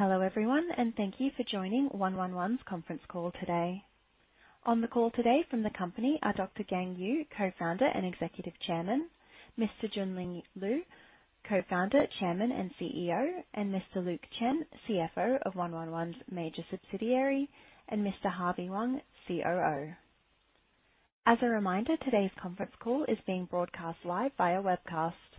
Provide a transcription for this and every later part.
Hello, everyone, and thank you for joining 111's conference call today. On the call today from the company are Dr. Gang Yu, Co-founder and Executive Chairman, Mr. Junling Liu, Co-founder, Chairman, and CEO, and Mr. Luke Chen, CFO of 111's major subsidiary, and Mr. Harvey Wang, COO. As a reminder, today's conference call is being broadcast live via webcast.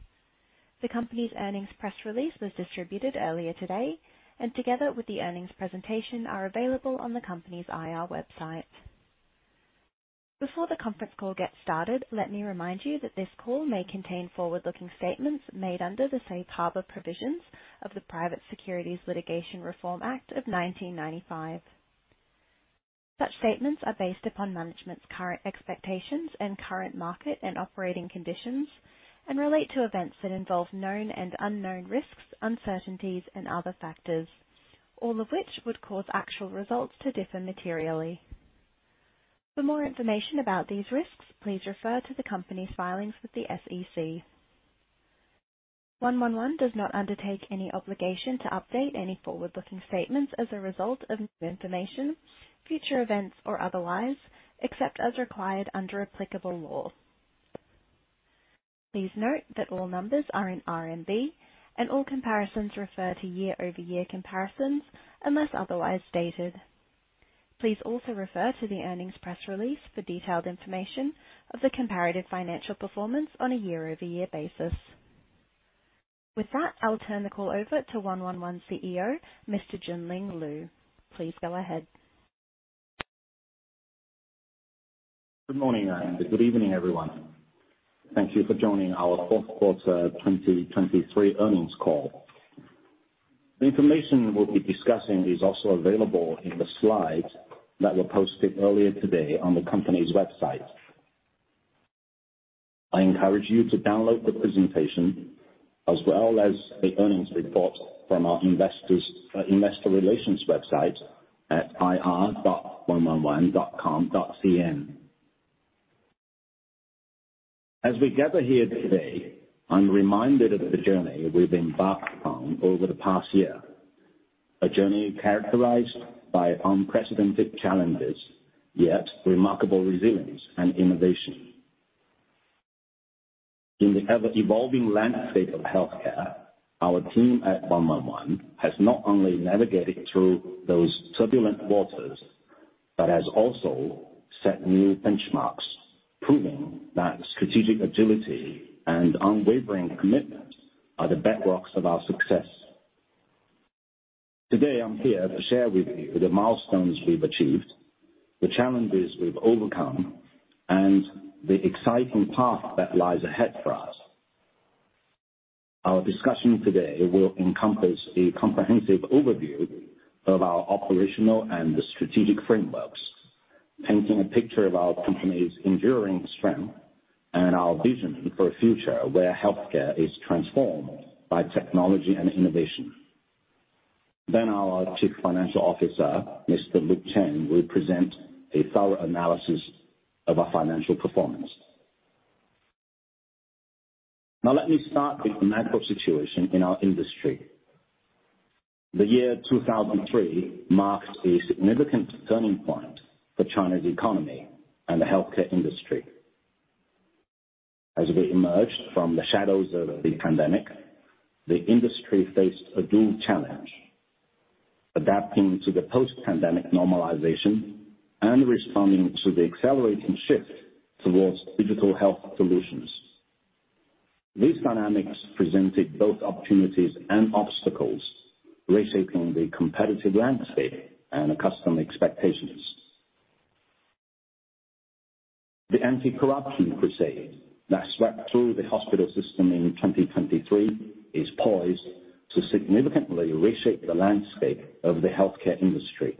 The company's earnings press release was distributed earlier today, and together with the earnings presentation, are available on the company's IR website. Before the conference call gets started, let me remind you that this call may contain forward-looking statements made under the safe harbor provisions of the Private Securities Litigation Reform Act of 1995. Such statements are based upon management's current expectations and current market and operating conditions, and relate to events that involve known and unknown risks, uncertainties and other factors, all of which would cause actual results to differ materially. For more information about these risks, please refer to the company's filings with the SEC. 111 does not undertake any obligation to update any forward-looking statements as a result of new information, future events, or otherwise, except as required under applicable laws. Please note that all numbers are in RMB, and all comparisons refer to year-over-year comparisons unless otherwise stated. Please also refer to the earnings press release for detailed information of the comparative financial performance on a year-over-year basis. With that, I'll turn the call over to 111 CEO, Mr. Junling Liu. Please go ahead. Good morning and good evening, everyone. Thank you for joining our fourth quarter 2023 earnings call. The information we'll be discussing is also available in the slides that were posted earlier today on the company's website. I encourage you to download the presentation as well as the earnings report from our investor relations website at ir.oneoneone.com.cn. As we gather here today, I'm reminded of the journey we've embarked on over the past year, a journey characterized by unprecedented challenges, yet remarkable resilience and innovation. In the ever-evolving landscape of healthcare, our team at 111 has not only navigated through those turbulent waters, but has also set new benchmarks, proving that strategic agility and unwavering commitment are the backbones of our success. Today, I'm here to share with you the milestones we've achieved, the challenges we've overcome, and the exciting path that lies ahead for us. Our discussion today will encompass a comprehensive overview of our operational and the strategic frameworks, painting a picture of our company's enduring strength and our vision for a future where healthcare is transformed by technology and innovation. Then our Chief Financial Officer, Mr. Luke Chen, will present a thorough analysis of our financial performance. Now, let me start with the macro situation in our industry. The year 2023 marked a significant turning point for China's economy and the healthcare industry. As we emerged from the shadows of the pandemic, the industry faced a dual challenge: adapting to the post-pandemic normalization and responding to the accelerating shift towards digital health solutions. These dynamics presented both opportunities and obstacles, reshaping the competitive landscape and the customer expectations. The anti-corruption crusade that swept through the hospital system in 2023 is poised to significantly reshape the landscape of the healthcare industry.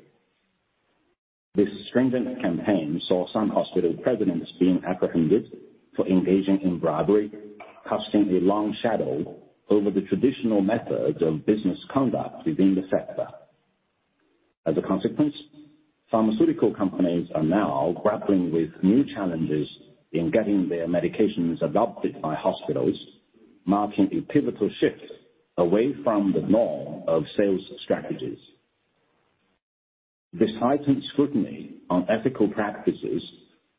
This stringent campaign saw some hospital presidents being apprehended for engaging in bribery, casting a long shadow over the traditional methods of business conduct within the sector. As a consequence, pharmaceutical companies are now grappling with new challenges in getting their medications adopted by hospitals, marking a pivotal shift away from the norm of sales strategies. This heightened scrutiny on ethical practices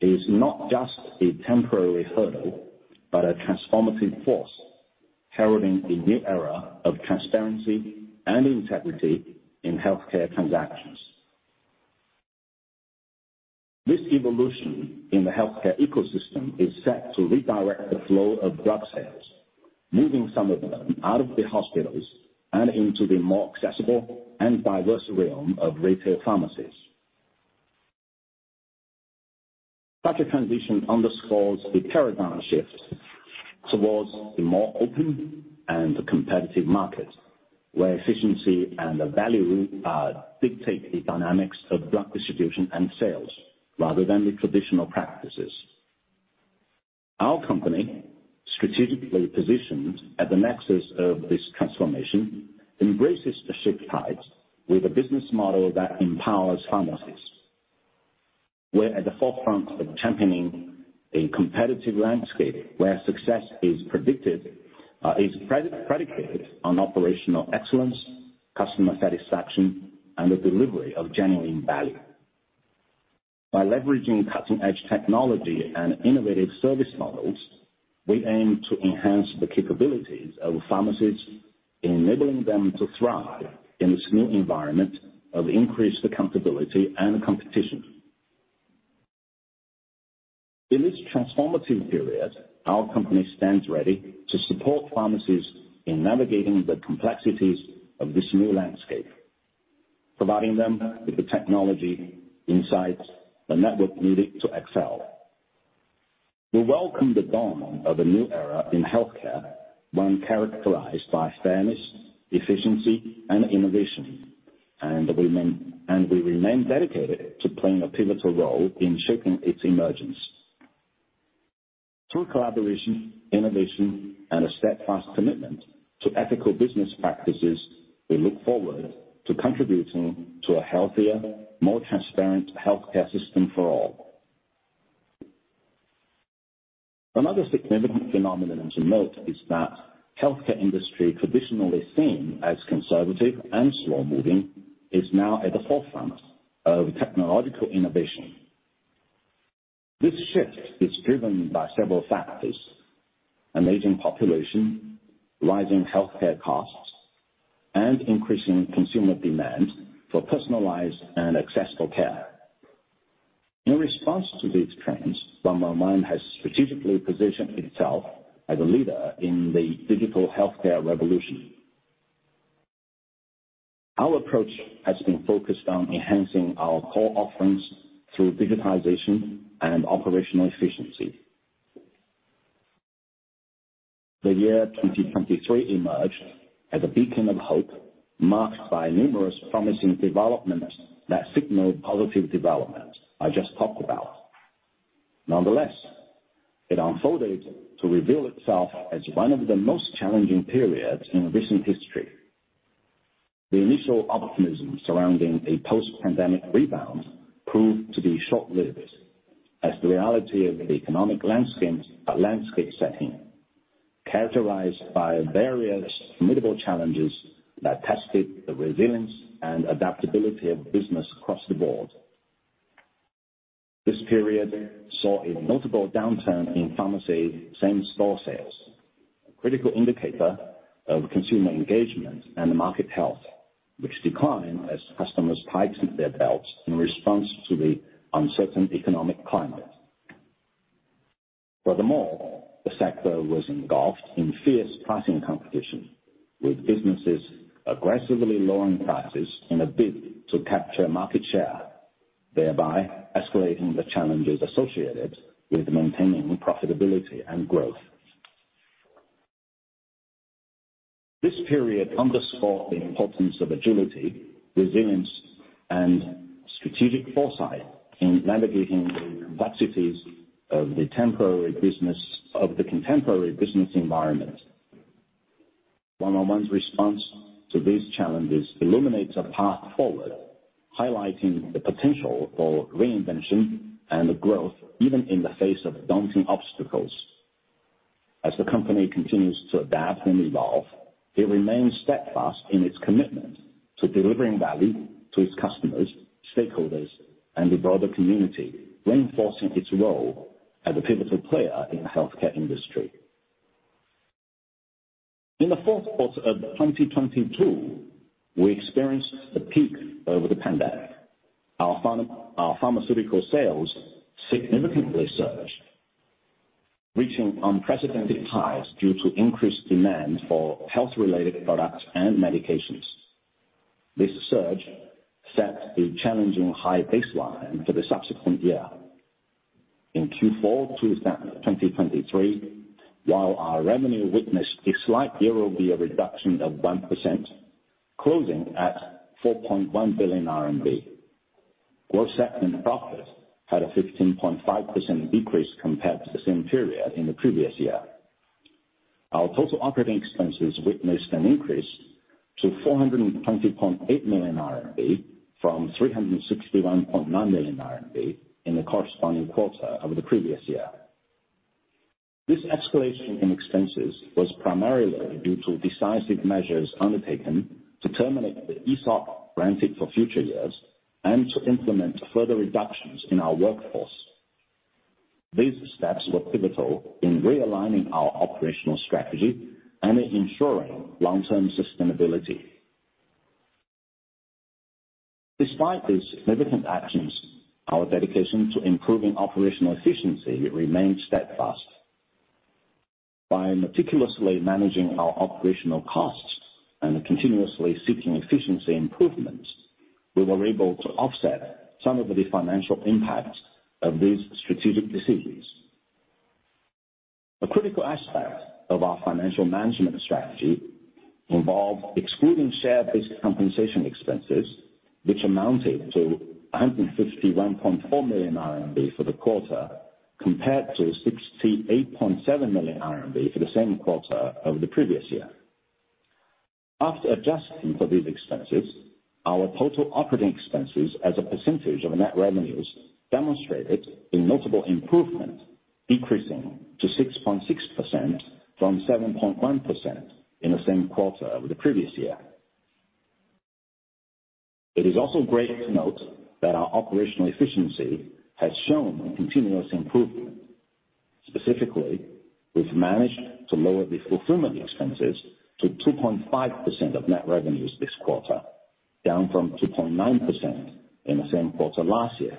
is not just a temporary hurdle, but a transformative force, heralding a new era of transparency and integrity in healthcare transactions. This evolution in the healthcare ecosystem is set to redirect the flow of drug sales, moving some of them out of the hospitals and into the more accessible and diverse realm of retail pharmacies. Such a transition underscores the paradigm shift towards a more open and a competitive market, where efficiency and the value dictate the dynamics of drug distribution and sales, rather than the traditional practices. Our company, strategically positioned at the nexus of this transformation, embraces the shifting tide with a business model that empowers pharmacists.... We're at the forefront of championing a competitive landscape, where success is predicted, is pre-predicated on operational excellence, customer satisfaction, and the delivery of genuine value. By leveraging cutting-edge technology and innovative service models, we aim to enhance the capabilities of pharmacies, enabling them to thrive in this new environment of increased accountability and competition. In this transformative period, our company stands ready to support pharmacies in navigating the complexities of this new landscape, providing them with the technology, insights, and network needed to excel. We welcome the dawn of a new era in healthcare, one characterized by fairness, efficiency, and innovation, and we remain dedicated to playing a pivotal role in shaping its emergence. Through collaboration, innovation, and a steadfast commitment to ethical business practices, we look forward to contributing to a healthier, more transparent healthcare system for all. Another significant phenomenon to note is that the healthcare industry, traditionally seen as conservative and slow-moving, is now at the forefront of technological innovation. This shift is driven by several factors: an aging population, rising healthcare costs, and increasing consumer demand for personalized and accessible care. In response to these trends, 111 has strategically positioned itself as a leader in the digital healthcare revolution. Our approach has been focused on enhancing our core offerings through digitization and operational efficiency. The year 2023 emerged as a beacon of hope, marked by numerous promising developments that signaled positive development I just talked about. Nonetheless, it unfolded to reveal itself as one of the most challenging periods in recent history. The initial optimism surrounding a post-pandemic rebound proved to be short-lived, as the reality of the economic landscapes, landscape setting, characterized by various formidable challenges that tested the resilience and adaptability of business across the board. This period saw a notable downturn in pharmacy same-store sales, a critical indicator of consumer engagement and market health, which declined as customers tightened their belts in response to the uncertain economic climate. Furthermore, the sector was engulfed in fierce pricing competition, with businesses aggressively lowering prices in a bid to capture market share, thereby escalating the challenges associated with maintaining profitability and growth. This period underscored the importance of agility, resilience, and strategic foresight in navigating the complexities of the contemporary business environment. 111's response to these challenges illuminates a path forward, highlighting the potential for reinvention and growth, even in the face of daunting obstacles. As the company continues to adapt and evolve, it remains steadfast in its commitment to delivering value to its customers, stakeholders, and the broader community, reinforcing its role as a pivotal player in the healthcare industry. In the fourth quarter of 2022, we experienced the peak of the pandemic. Our pharmaceutical sales significantly surged, reaching unprecedented highs due to increased demand for health-related products and medications. This surge set a challenging high baseline for the subsequent year. In Q4 2023, while our revenue witnessed a slight year-over-year reduction of 1%, closing at 4.1 billion RMB, gross profit had a 15.5% decrease compared to the same period in the previous year. Our total operating expenses witnessed an increase to 420.8 million RMB from 361.9 million RMB in the corresponding quarter of the previous year. This escalation in expenses was primarily due to decisive measures undertaken to terminate the ESOP granted for future years and to implement further reductions in our workforce. These steps were pivotal in realigning our operational strategy and ensuring long-term sustainability. Despite these significant actions, our dedication to improving operational efficiency remained steadfast. By meticulously managing our operational costs and continuously seeking efficiency improvements, we were able to offset some of the financial impacts of these strategic decisions. A critical aspect of our financial management strategy involved excluding share-based compensation expenses, which amounted to 151.4 million RMB for the quarter, compared to 68.7 million RMB for the same quarter of the previous year. After adjusting for these expenses, our total operating expenses as a percentage of net revenues demonstrated a notable improvement, decreasing to 6.6% from 7.1% in the same quarter of the previous year. It is also great to note that our operational efficiency has shown continuous improvement. Specifically, we've managed to lower the fulfillment expenses to 2.5% of net revenues this quarter, down from 2.9% in the same quarter last year,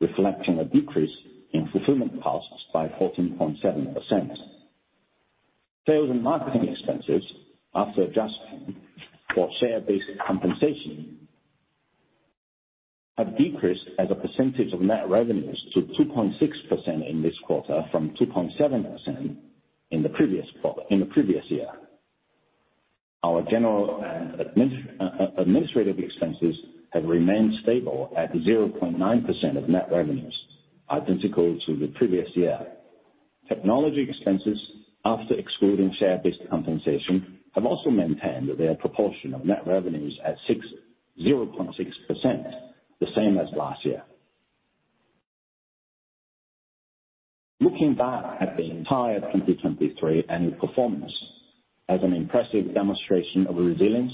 reflecting a decrease in fulfillment costs by 14.7%. Sales and marketing expenses, after adjusting for share-based compensation, have decreased as a percentage of net revenues to 2.6% in this quarter from 2.7% in the previous year. Our general and administrative expenses have remained stable at 0.9% of net revenues, identical to the previous year. Technology expenses, after excluding share-based compensation, have also maintained their proportion of net revenues at 0.6%, the same as last year. Looking back at the entire 2023 annual performance, as an impressive demonstration of resilience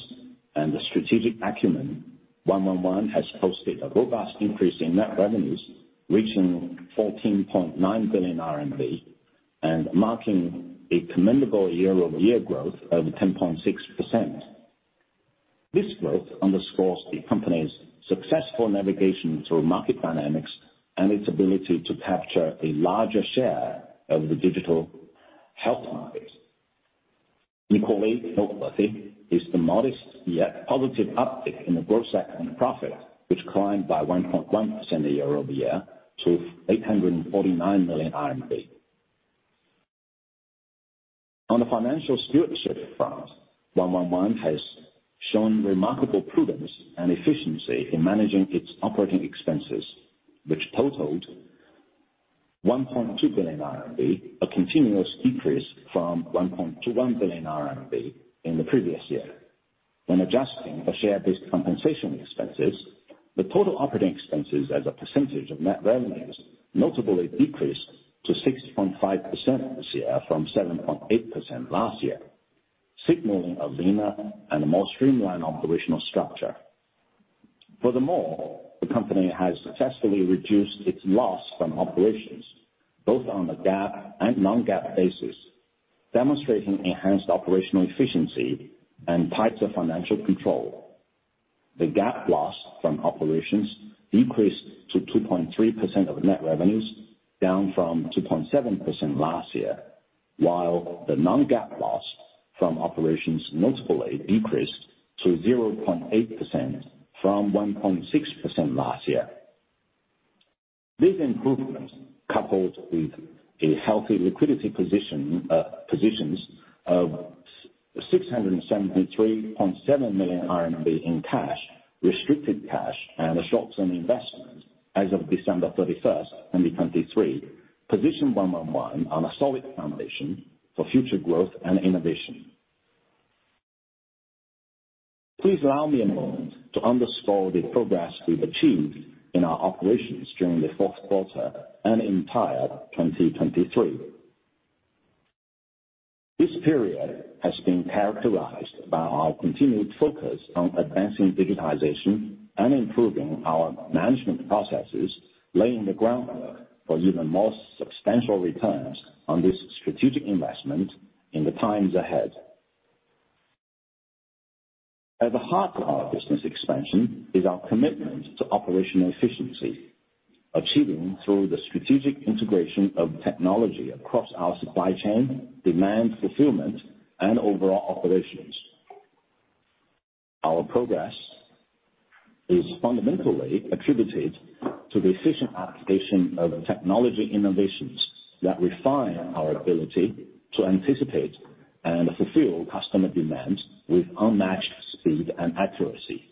and the strategic acumen, 111 has posted a robust increase in net revenues, reaching 14.9 billion RMB, and marking a commendable year-over-year growth of 10.6%. This growth underscores the company's successful navigation through market dynamics and its ability to capture a larger share of the digital health market. Equally noteworthy is the modest, yet positive uptick in the gross profit, which climbed by 1.1% year-over-year to CNY 849 million. On the financial stewardship front, 111 has shown remarkable prudence and efficiency in managing its operating expenses, which totaled 1.2 billion RMB, a continuous decrease from 1.21 billion RMB in the previous year. When adjusting for share-based compensation expenses, the total operating expenses as a percentage of net revenues notably decreased to 6.5% this year from 7.8% last year, signaling a leaner and a more streamlined operational structure. Furthermore, the company has successfully reduced its loss from operations, both on a GAAP and non-GAAP basis, demonstrating enhanced operational efficiency and tighter financial control. The GAAP loss from operations decreased to 2.3% of net revenues, down from 2.7% last year, while the non-GAAP loss from operations notably decreased to 0.8% from 1.6% last year. These improvements, coupled with a healthy liquidity position, positions us with 673.7 million RMB in cash, restricted cash, and a short-term investment as of December 31, 2023, positioned 111 on a solid foundation for future growth and innovation. Please allow me a moment to underscore the progress we've achieved in our operations during the fourth quarter and entire 2023. This period has been characterized by our continued focus on advancing digitization and improving our management processes, laying the groundwork for even more substantial returns on this strategic investment in the times ahead. At the heart of our business expansion is our commitment to operational efficiency, achieving through the strategic integration of technology across our supply chain, demand fulfillment, and overall operations. Our progress is fundamentally attributed to the efficient application of technology innovations that refine our ability to anticipate and fulfill customer demands with unmatched speed and accuracy.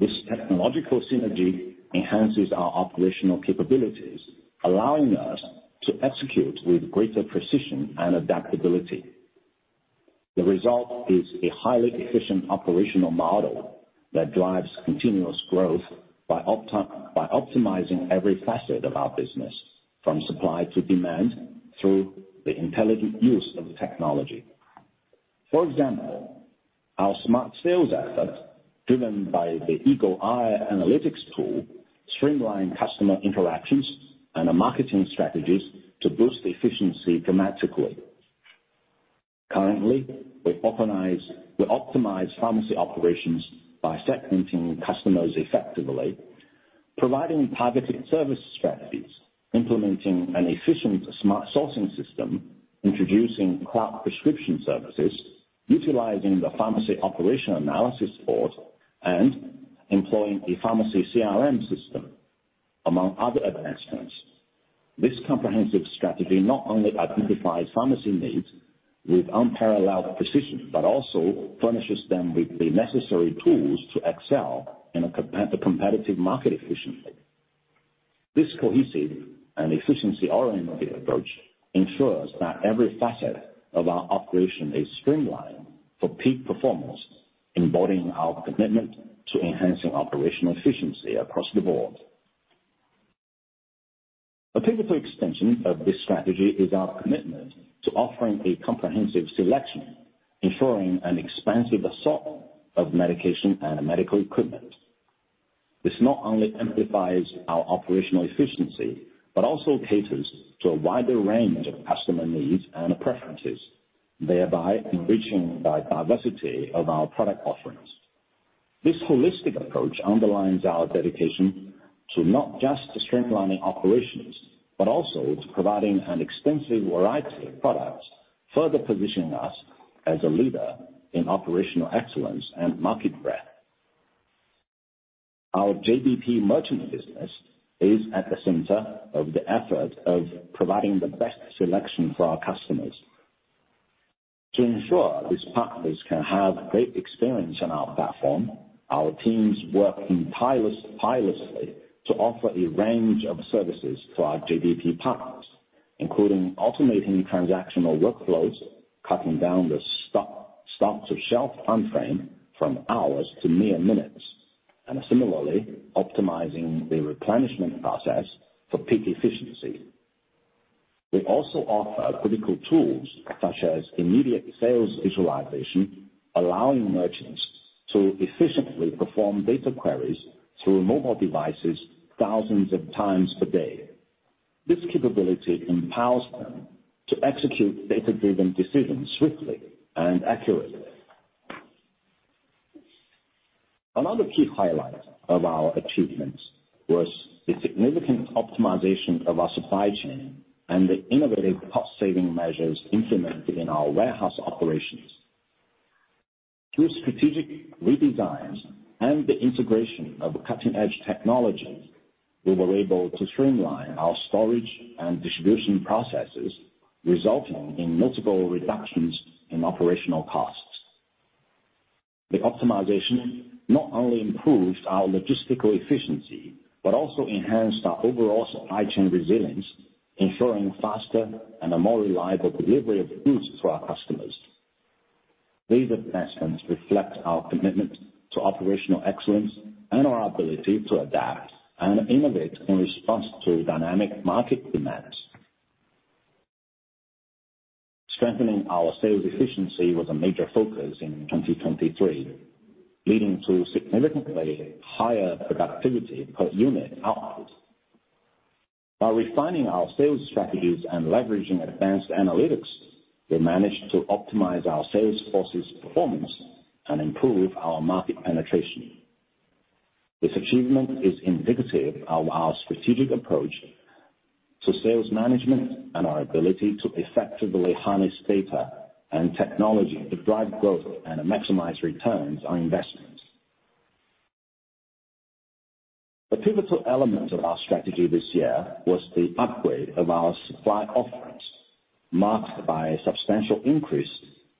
This technological synergy enhances our operational capabilities, allowing us to execute with greater precision and adaptability. The result is a highly efficient operational model that drives continuous growth by optimizing every facet of our business, from supply to demand, through the intelligent use of technology. For example, our smart sales efforts, driven by the Eagle Eye analytics tool, streamline customer interactions and the marketing strategies to boost efficiency dramatically. Currently, we optimize pharmacy operations by segmenting customers effectively, providing targeted service strategies, implementing an efficient smart sourcing system, introducing cloud prescription services, utilizing the pharmacy operation analysis support, and employing a pharmacy CRM system, among other advancements. This comprehensive strategy not only identifies pharmacy needs with unparalleled precision, but also furnishes them with the necessary tools to excel in a competitive market efficiently. This cohesive and efficiency-oriented approach ensures that every facet of our operation is streamlined for peak performance, embodying our commitment to enhancing operational efficiency across the board. A pivotal extension of this strategy is our commitment to offering a comprehensive selection, ensuring an expansive assortment of medication and medical equipment. This not only amplifies our operational efficiency, but also caters to a wider range of customer needs and preferences, thereby enriching the diversity of our product offerings. This holistic approach underlines our dedication to not just streamlining operations, but also to providing an extensive variety of products, further positioning us as a leader in operational excellence and market breadth. Our JBP merchant business is at the center of the effort of providing the best selection for our customers. To ensure these partners can have great experience on our platform, our teams work tirelessly to offer a range of services to our JBP partners, including automating transactional workflows, cutting down the stock to shelf time frame from hours to mere minutes, and similarly, optimizing the replenishment process for peak efficiency. We also offer critical tools such as immediate sales visualization, allowing merchants to efficiently perform data queries through mobile devices thousands of times per day. This capability empowers them to execute data-driven decisions swiftly and accurately. Another key highlight of our achievements was the significant optimization of our supply chain and the innovative cost-saving measures implemented in our warehouse operations. Through strategic redesigns and the integration of cutting-edge technology, we were able to streamline our storage and distribution processes, resulting in multiple reductions in operational costs. The optimization not only improved our logistical efficiency, but also enhanced our overall supply chain resilience, ensuring faster and a more reliable delivery of goods to our customers. These investments reflect our commitment to operational excellence and our ability to adapt and innovate in response to dynamic market demands. Strengthening our sales efficiency was a major focus in 2023, leading to significantly higher productivity per unit output. By refining our sales strategies and leveraging advanced analytics, we managed to optimize our sales force's performance and improve our market penetration. This achievement is indicative of our strategic approach to sales management and our ability to effectively harness data and technology to drive growth and maximize returns on investments. A pivotal element of our strategy this year was the upgrade of our supply offerings, marked by a substantial increase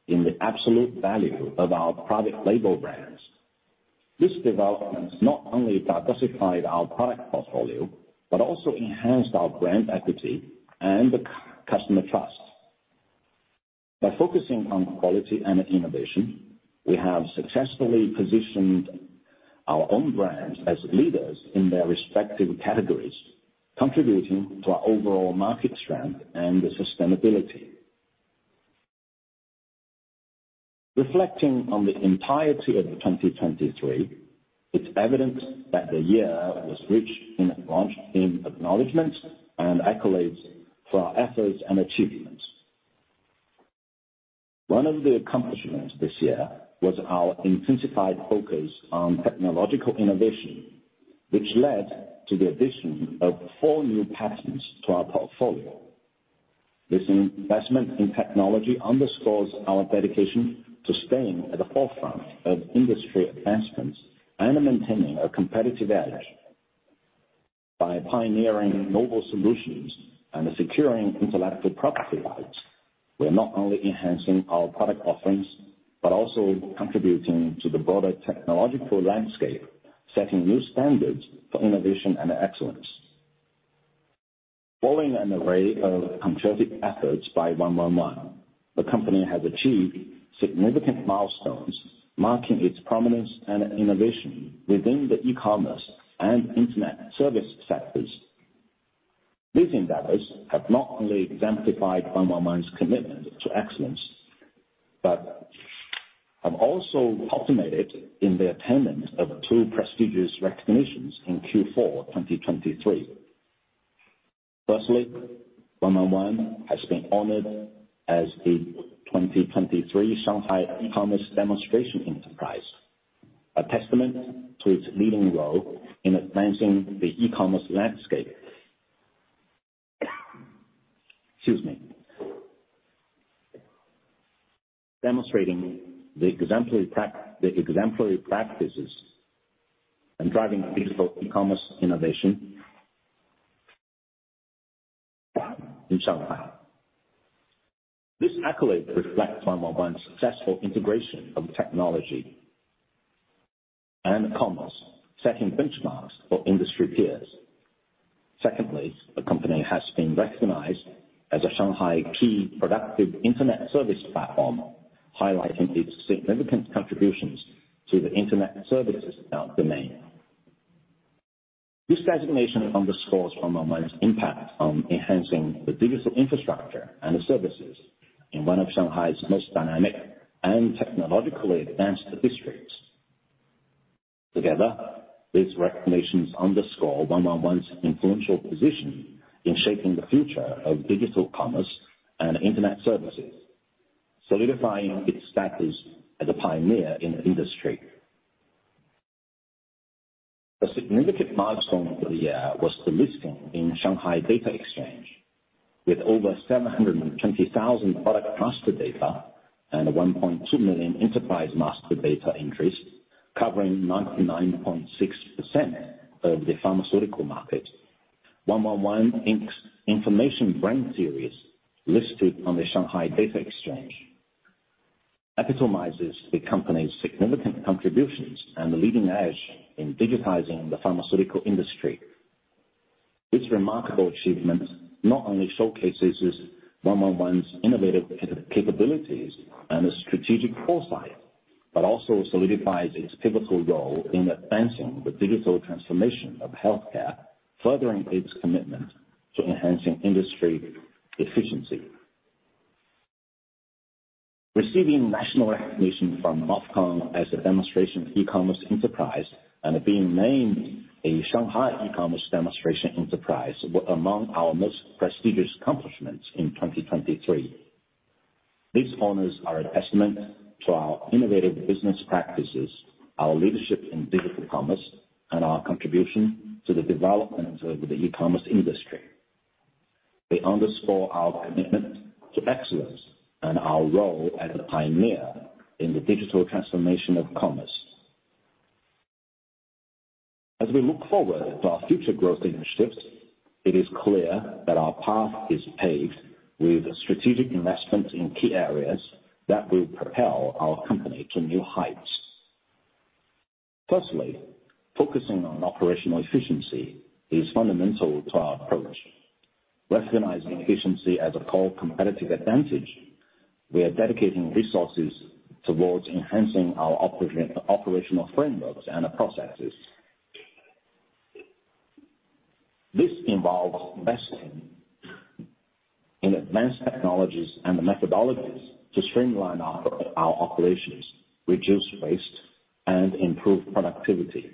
in the absolute value of our product label brands. This development not only diversified our product portfolio, but also enhanced our brand equity and the customer trust. By focusing on quality and innovation, we have successfully positioned our own brands as leaders in their respective categories, contributing to our overall market strength and the sustainability. Reflecting on the entirety of 2023, it's evident that the year was rich in launches, acknowledgments and accolades for our efforts and achievements. One of the accomplishments this year was our intensified focus on technological innovation, which led to the addition of four new patents to our portfolio. This investment in technology underscores our dedication to staying at the forefront of industry advancements and maintaining a competitive edge. By pioneering novel solutions and securing intellectual property rights, we are not only enhancing our product offerings, but also contributing to the broader technological landscape, setting new standards for innovation and excellence. Following an array of concerted efforts by 111, the company has achieved significant milestones, marking its prominence and innovation within the e-commerce and internet service sectors. These endeavors have not only exemplified 111's commitment to excellence, but have also culminated in the attainment of two prestigious recognitions in Q4 2023. Firstly, 111 has been honored as the 2023 Shanghai E-commerce Demonstration Enterprise, a testament to its leading role in advancing the e-commerce landscape. Excuse me. Demonstrating the exemplary practices and driving peaceful e-commerce innovation in Shanghai. This accolade reflects 111's successful integration of technology and commerce, setting benchmarks for industry peers. Secondly, the company has been recognized as a Shanghai Key Productive Internet Service Platform, highlighting its significant contributions to the internet services domain. This designation underscores 111's impact on enhancing the digital infrastructure and the services in one of Shanghai's most dynamic and technologically advanced districts. Together, these recognitions underscore 111's influential position in shaping the future of digital commerce and internet services, solidifying its status as a pioneer in the industry. A significant milestone for the year was the listing in Shanghai Data Exchange. With over 720,000 product master data and 1.2 million enterprise master data entries, covering 99.6% of the pharmaceutical market, 111, Inc.'s information brand series, listed on the Shanghai Data Exchange, epitomizes the company's significant contributions and leading edge in digitizing the pharmaceutical industry. This remarkable achievement not only showcases 111's innovative capabilities and the strategic foresight, but also solidifies its pivotal role in advancing the digital transformation of healthcare, furthering its commitment to enhancing industry efficiency. Receiving national recognition from MOFCOM as a demonstration e-commerce enterprise and being named a Shanghai e-commerce demonstration enterprise were among our most prestigious accomplishments in 2023. These honors are a testament to our innovative business practices, our leadership in digital commerce, and our contribution to the development of the e-commerce industry. They underscore our commitment to excellence and our role as a pioneer in the digital transformation of commerce. As we look forward to our future growth initiatives, it is clear that our path is paved with strategic investment in key areas that will propel our company to new heights. Firstly, focusing on operational efficiency is fundamental to our approach. Recognizing efficiency as a core competitive advantage, we are dedicating resources towards enhancing our operational frameworks and processes. This involves investing in advanced technologies and methodologies to streamline our operations, reduce waste, and improve productivity.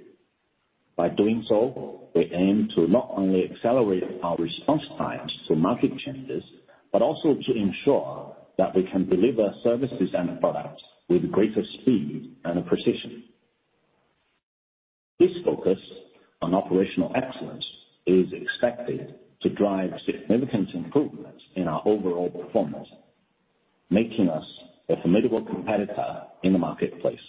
By doing so, we aim to not only accelerate our response times to market changes, but also to ensure that we can deliver services and products with greater speed and precision. This focus on operational excellence is expected to drive significant improvements in our overall performance, making us a formidable competitor in the marketplace.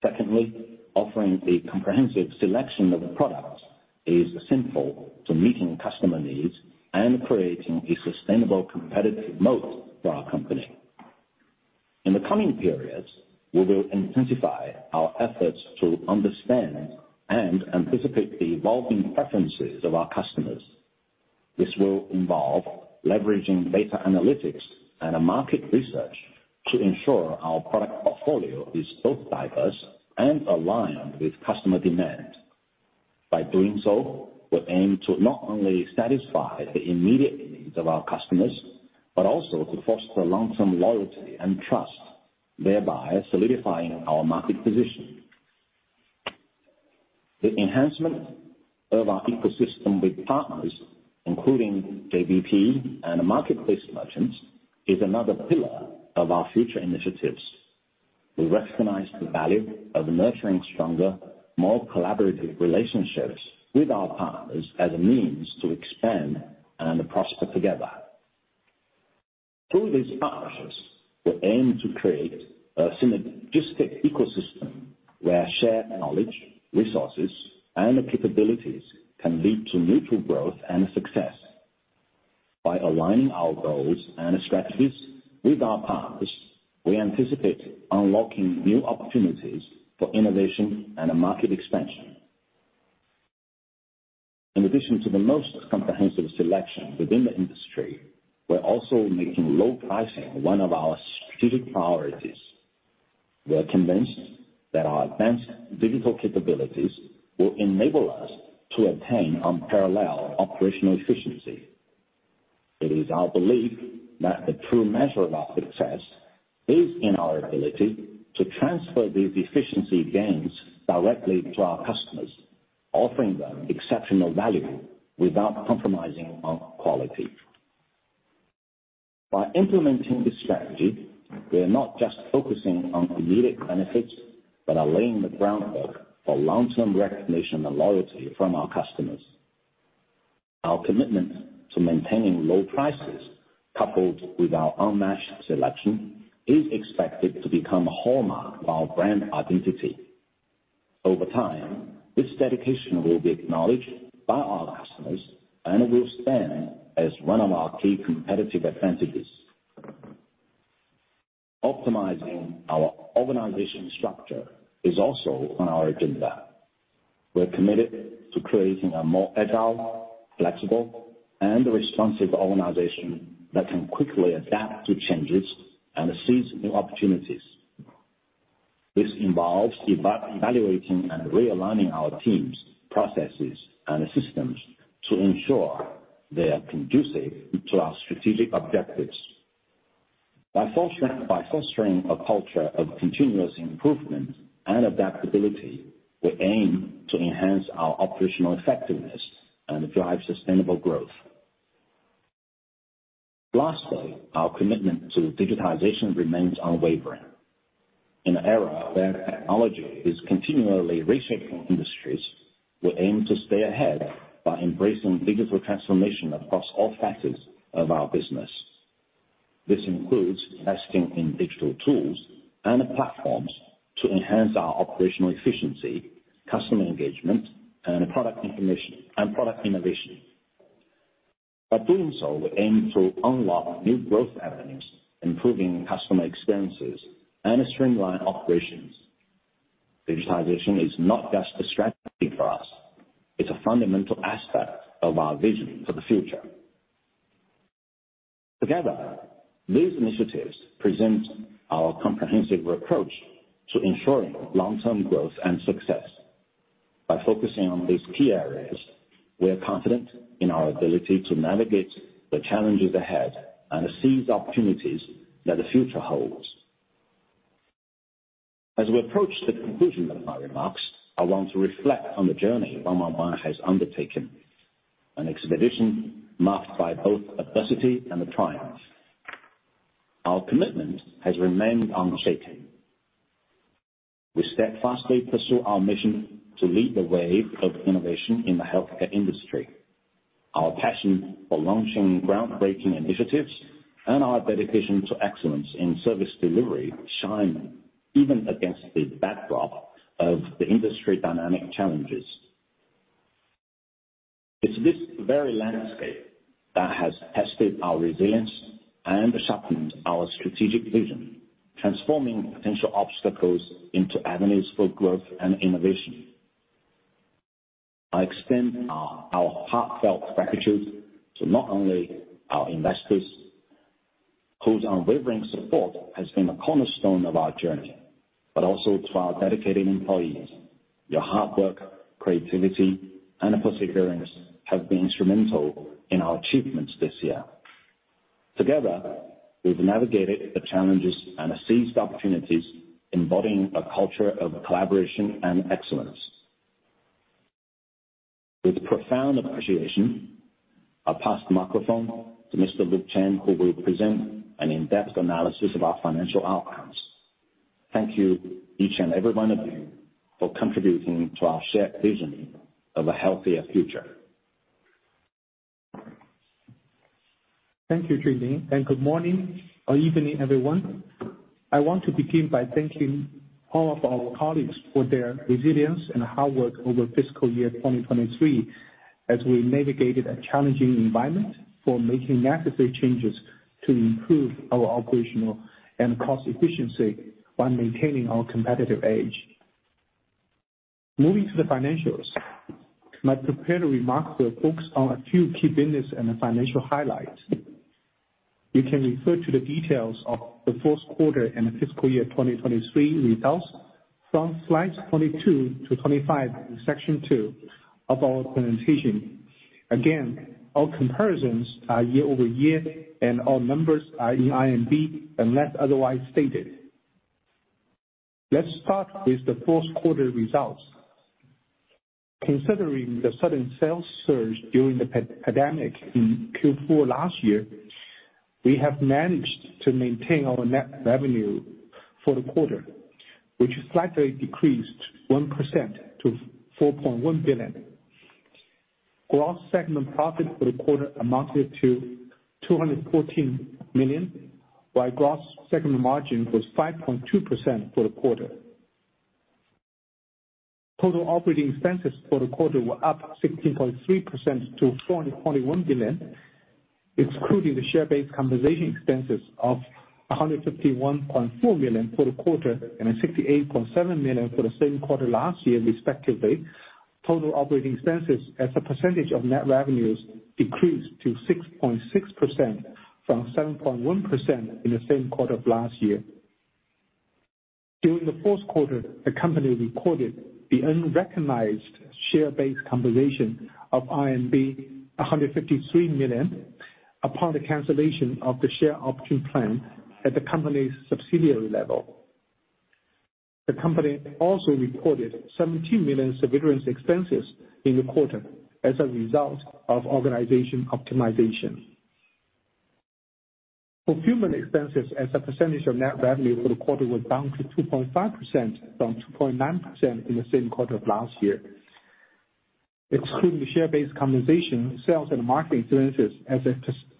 Secondly, offering a comprehensive selection of products is simple to meeting customer needs and creating a sustainable competitive moat for our company. In the coming periods, we will intensify our efforts to understand and anticipate the evolving preferences of our customers. This will involve leveraging data analytics and market research to ensure our product portfolio is both diverse and aligned with customer demand. By doing so, we aim to not only satisfy the immediate needs of our customers, but also to foster long-term loyalty and trust, thereby solidifying our market position. The enhancement of our ecosystem with partners, including JBP and marketplace merchants, is another pillar of our future initiatives. We recognize the value of nurturing stronger, more collaborative relationships with our partners as a means to expand and prosper together. Through these partnerships, we aim to create a synergistic ecosystem where shared knowledge, resources, and capabilities can lead to mutual growth and success. By aligning our goals and strategies with our partners, we anticipate unlocking new opportunities for innovation and market expansion. In addition to the most comprehensive selection within the industry, we're also making low pricing one of our strategic priorities. We are convinced that our advanced digital capabilities will enable us to attain unparalleled operational efficiency. It is our belief that the true measure of our success is in our ability to transfer these efficiency gains directly to our customers, offering them exceptional value without compromising on quality. By implementing this strategy, we are not just focusing on immediate benefits, but are laying the groundwork for long-term recognition and loyalty from our customers. Our commitment to maintaining low prices, coupled with our unmatched selection, is expected to become a hallmark of our brand identity.... Over time, this dedication will be acknowledged by our customers and will stand as one of our key competitive advantages. Optimizing our organization structure is also on our agenda. We're committed to creating a more agile, flexible and responsive organization that can quickly adapt to changes and seize new opportunities. This involves evaluating and realigning our teams, processes, and systems to ensure they are conducive to our strategic objectives. By fostering a culture of continuous improvement and adaptability, we aim to enhance our operational effectiveness and drive sustainable growth. Lastly, our commitment to digitization remains unwavering. In an era where technology is continually reshaping industries, we aim to stay ahead by embracing digital transformation across all facets of our business. This includes investing in digital tools and platforms to enhance our operational efficiency, customer engagement, and product information and product innovation. By doing so, we aim to unlock new growth avenues, improving customer experiences, and streamline operations. Digitization is not just a strategy for us, it's a fundamental aspect of our vision for the future. Together, these initiatives present our comprehensive approach to ensuring long-term growth and success. By focusing on these key areas, we are confident in our ability to navigate the challenges ahead and seize opportunities that the future holds. As we approach the conclusion of my remarks, I want to reflect on the journey Onemall Bio has undertaken, an expedition marked by both adversity and triumph. Our commitment has remained unshaken. We steadfastly pursue our mission to lead the wave of innovation in the healthcare industry. Our passion for launching groundbreaking initiatives and our dedication to excellence in service delivery shine even against the backdrop of the industry dynamic challenges. It's this very landscape that has tested our resilience and sharpened our strategic vision, transforming potential obstacles into avenues for growth and innovation. I extend our heartfelt gratitude to not only our investors, whose unwavering support has been a cornerstone of our journey, but also to our dedicated employees. Your hard work, creativity, and perseverance have been instrumental in our achievements this year. Together, we've navigated the challenges and seized opportunities, embodying a culture of collaboration and excellence. With profound appreciation, I pass the microphone to Mr. Luke Chen, who will present an in-depth analysis of our financial outcomes. Thank you each and every one of you, for contributing to our shared vision of a healthier future. Thank you, Junling, and good morning or evening, everyone. I want to begin by thanking all of our colleagues for their resilience and hard work over fiscal year 2023, as we navigated a challenging environment for making necessary changes to improve our operational and cost efficiency while maintaining our competitive edge. Moving to the financials, my prepared remarks will focus on a few key business and financial highlights. You can refer to the details of the fourth quarter and fiscal year 2023 results from slides 22-25 in section 2 of our presentation. Again, all comparisons are year-over-year, and all numbers are in RMB unless otherwise stated. Let's start with the fourth quarter results. Considering the sudden sales surge during the pandemic in Q4 last year, we have managed to maintain our net revenue for the quarter, which slightly decreased 1% to 4.1 billion. Gross segment profit for the quarter amounted to 214 million, while gross segment margin was 5.2% for the quarter. Total operating expenses for the quarter were up 16.3% to 4.1 billion, excluding the share-based compensation expenses of 151.4 million for the quarter and 68.7 million for the same quarter last year, respectively. Total operating expenses as a percentage of net revenues decreased to 6.6% from 7.1% in the same quarter of last year. During the fourth quarter, the company recorded the unrecognized share-based compensation of RMB 153 million upon the cancellation of the share option plan at the company's subsidiary level. The company also recorded 17 million severance expenses in the quarter as a result of organization optimization. Fulfillment expenses as a percentage of net revenue for the quarter were down to 2.5% from 2.9% in the same quarter of last year. Excluding the share-based compensation, sales and marketing expenses as a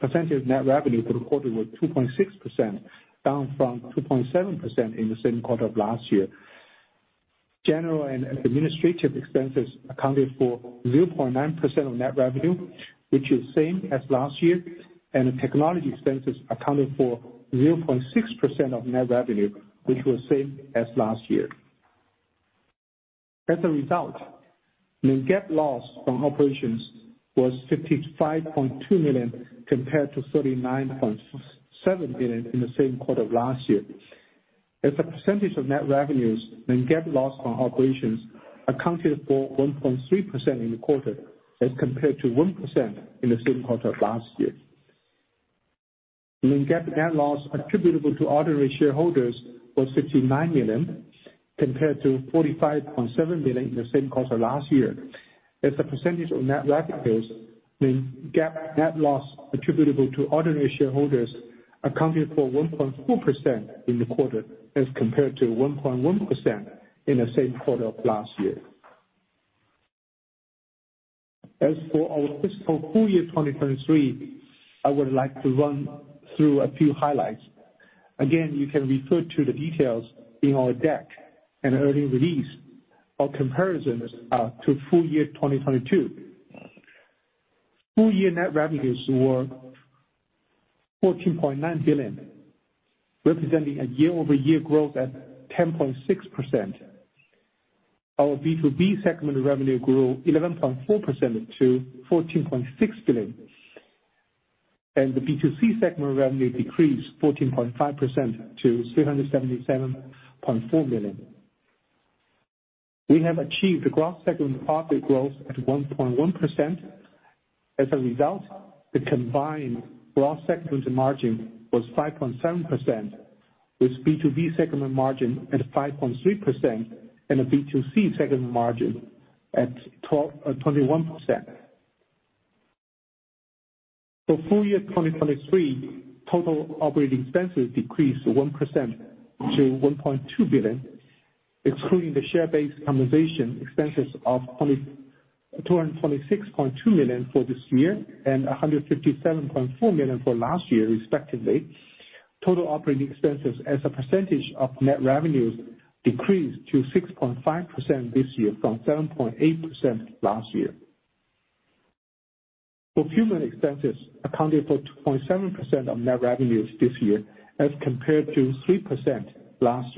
percentage of net revenue for the quarter were 2.6%, down from 2.7% in the same quarter of last year. General and administrative expenses accounted for 0.9% of net revenue, which is same as last year, and the technology expenses accounted for 0.6% of net revenue, which was same as last year. As a result, non-GAAP loss from operations was 55.2 million, compared to 39.7 million in the same quarter of last year. As a percentage of net revenues, non-GAAP loss from operations accounted for 1.3% in the quarter, as compared to 1% in the same quarter of last year. Non-GAAP net loss attributable to ordinary shareholders was 59 million, compared to 45.7 million in the same quarter last year. As a percentage of net revenues, the non-GAAP net loss attributable to ordinary shareholders accounted for 1.4% in the quarter, as compared to 1.1% in the same quarter of last year. As for our fiscal full year 2023, I would like to run through a few highlights. Again, you can refer to the details in our deck and early release. Our comparisons are to full year 2022. Full year net revenues were 14.9 billion, representing a year-over-year growth at 10.6%. Our B2B segment revenue grew 11.4% to 14.6 billion, and the B2C segment revenue decreased 14.5% to 377.4 million. We have achieved the gross segment profit growth at 1.1%. As a result, the combined gross segment margin was 5.7%, with B2B segment margin at 5.3% and a B2C segment margin at 21%. For full year 2023, total operating expenses decreased 1% to 1.2 billion, excluding the share-based compensation expenses of 226.2 million for this year and 157.4 million for last year, respectively. Total operating expenses as a percentage of net revenues decreased to 6.5% this year from 7.8% last year. Fulfillment expenses accounted for 2.7% of net revenues this year, as compared to 3% last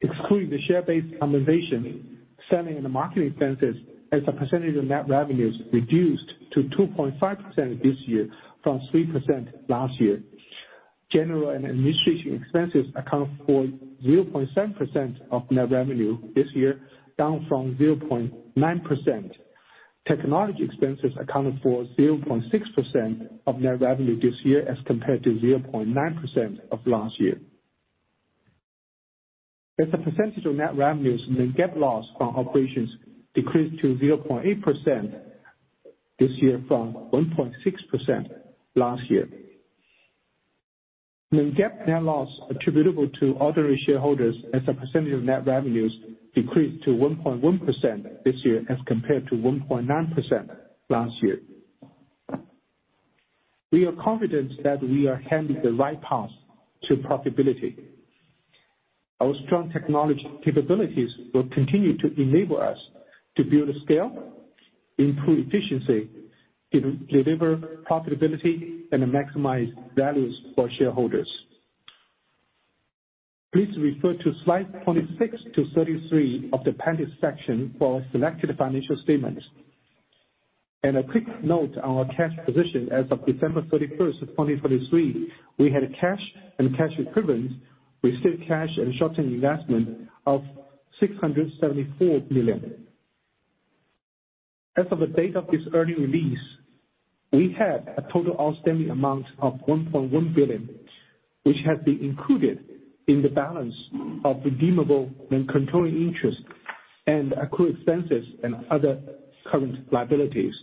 year. Excluding the share-based compensation, selling and marketing expenses as a percentage of net revenues reduced to 2.5% this year from 3% last year. General and administrative expenses account for 0.7% of net revenue this year, down from 0.9%. Technology expenses accounted for 0.6% of net revenue this year, as compared to 0.9% of last year. As a percentage of net revenues, non-GAAP loss from operations decreased to 0.8% this year from 1.6% last year. Non-GAAP net loss attributable to ordinary shareholders as a percentage of net revenues decreased to 1.1% this year, as compared to 1.9% last year. We are confident that we are heading the right path to profitability. Our strong technology capabilities will continue to enable us to build scale, improve efficiency, deliver profitability and maximize values for shareholders. Please refer to slide 26-33 of the appendix section for our selected financial statements. A quick note on our cash position. As of December 31, 2023, we had cash and cash equivalents, restricted cash and short-term investments of 674 million. As of the date of this earnings release, we had a total outstanding amount of 1.1 billion, which has been included in the balance of redeemable non-controlling interest and accrued expenses and other current liabilities,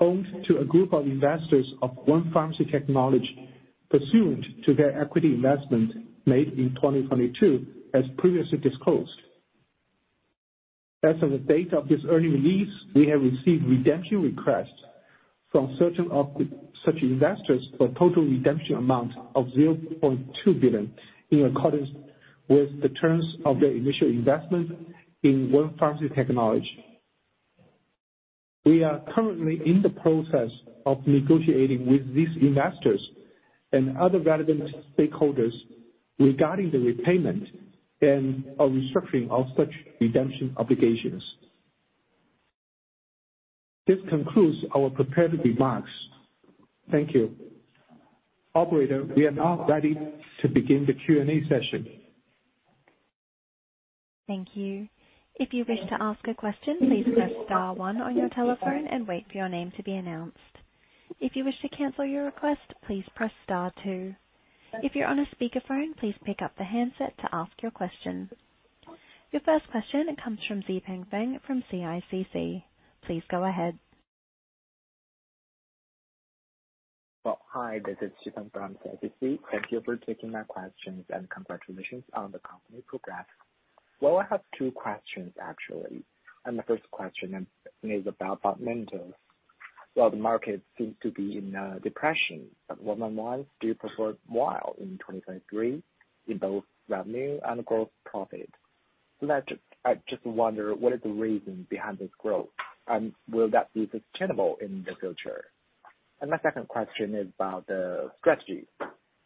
owed to a group of investors of 1 Pharmacy Technology, pursuant to their equity investment made in 2022, as previously disclosed. As of the date of this earnings release, we have received redemption requests from certain of such investors for total redemption amount of 0.2 billion, in accordance with the terms of their initial investment in 1 Pharmacy Technology. We are currently in the process of negotiating with these investors and other relevant stakeholders regarding the repayment and a restructuring of such redemption obligations. This concludes our prepared remarks. Thank you. Operator, we are now ready to begin the Q&A session. Thank you. If you wish to ask a question, please press star one on your telephone and wait for your name to be announced. If you wish to cancel your request, please press star two. If you're on a speakerphone, please pick up the handset to ask your question. Your first question comes from Xipeng Feng from CICC. Please go ahead. Well, hi, this is Xipeng from CICC. Thank you for taking my questions, and congratulations on the company progress. Well, I have two questions, actually, and my first question is about momentum. While the market seems to be in a depression, but 111, do you perform well in 2025 Q3 in both revenue and gross profit? So that, I just wonder, what is the reason behind this growth, and will that be sustainable in the future? And my second question is about strategy.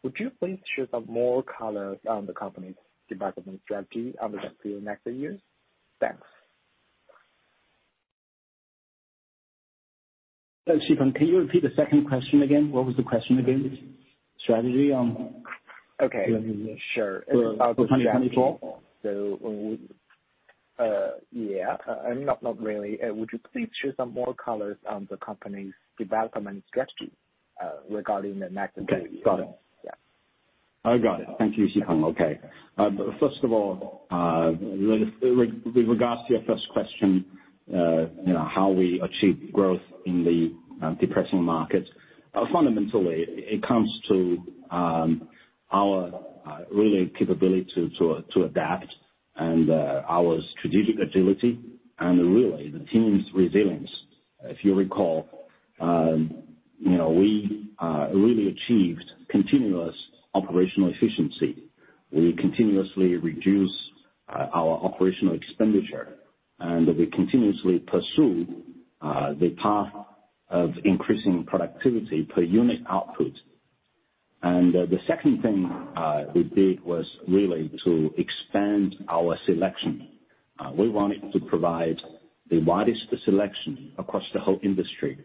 Would you please share some more color on the company's development strategy on the next few, next year? Thanks. Xipeng, can you repeat the second question again? What was the question again? Strategy on- Okay, sure. For 2024? So, yeah, and not really. Would you please share some more colors on the company's development strategy, regarding the next year? Okay, got it. Yeah. I got it. Thank you, Xipeng. Okay. First of all, with regards to your first question, you know, how we achieve growth in the depressing market. Fundamentally, it comes to our really capability to adapt and our strategic agility and really, the team's resilience. If you recall, you know, we really achieved continuous operational efficiency. We continuously reduce our operational expenditure, and we continuously pursue the path of increasing productivity per unit output. The second thing we did was really to expand our selection. We wanted to provide the widest selection across the whole industry,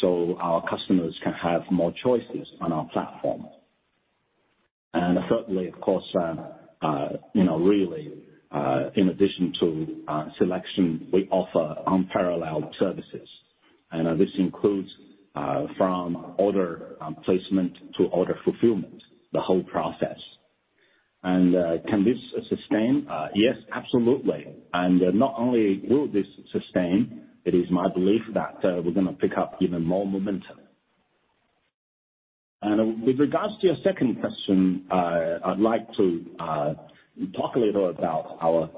so our customers can have more choices on our platform. Thirdly, of course, you know, really, in addition to selection, we offer unparalleled services. This includes, from order placement to order fulfillment, the whole process. Can this sustain? Yes, absolutely. Not only will this sustain, it is my belief that, we're gonna pick up even more momentum. With regards to your second question, I'd like to talk a little about our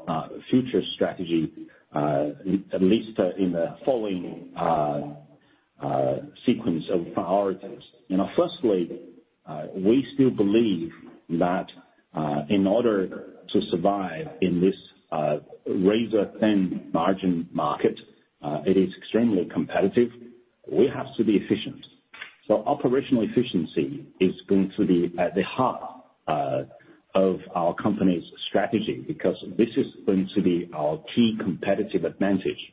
future strategy, at least in the following sequence of priorities. You know, firstly, we still believe that, in order to survive in this razor-thin margin market, it is extremely competitive, we have to be efficient. So operational efficiency is going to be at the heart of our company's strategy, because this is going to be our key competitive advantage.